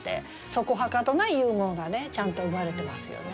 そこはかとないユーモアがねちゃんと生まれてますよね。